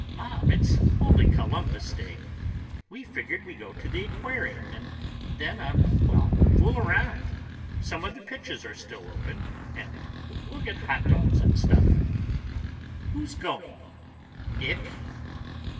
"Mom, it's only Columbus Day. We figured we'd go to the aquarium and then—uh—well, fool around. Some of the pitches are still open, and we'll get hot dogs and stuff." "Who's going? Nick?"